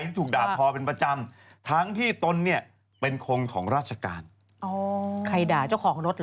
ทว่าทู่ถูกด่าพ่อเป็นประจำทั้งที่ต้นเป็นคนของราชการ